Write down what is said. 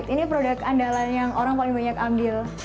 ini produk andalan yang orang paling banyak ambil